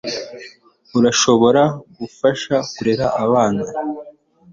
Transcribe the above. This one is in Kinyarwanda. urashobora gufasha kurera abana